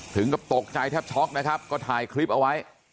ถึงกับตกใจแทบช็อกนะครับก็ถ่ายคลิปเอาไว้